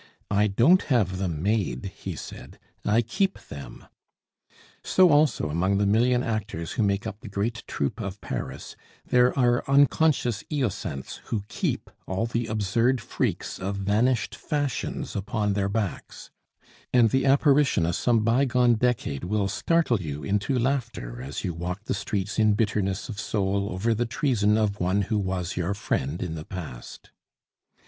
"I don't have them made," he said; "I keep them!" So also among the million actors who make up the great troupe of Paris, there are unconscious Hyacinthes who "keep" all the absurd freaks of vanished fashions upon their backs; and the apparition of some bygone decade will startle you into laughter as you walk the streets in bitterness of soul over the treason of one who was your friend in the past.